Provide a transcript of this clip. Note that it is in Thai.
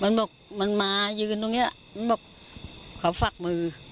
มันบอกมันมายืนตรงนี้มันบอกเขาฝักมือ